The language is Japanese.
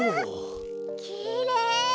きれい！